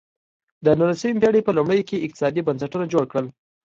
د نولسمې پېړۍ په لومړیو کې اقتصادي بنسټونه جوړ کړل.